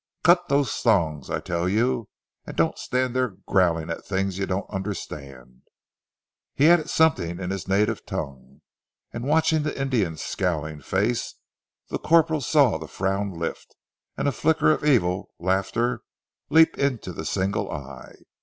"Cut those thongs, I tell you; and don't stand there growling at things you don't understand." He added something in his native tongue, and watching the Indian's scowling face, the corporal saw the frown lift, and a flicker of evil laughter leap into the single eye.